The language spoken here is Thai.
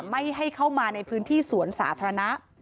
ไม่ให้เข้ามาในพื้นที่สวนสาธารณะ